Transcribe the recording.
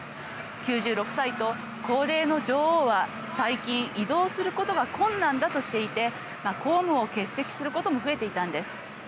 ９６歳と、高齢の女王は最近移動することが困難だとしていて公務を欠席することも増えていたんです。